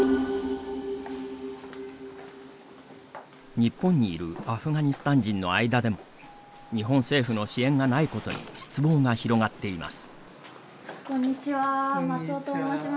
日本にいるアフガニスタン人の間でも日本政府の支援がないことに失望が広がっています。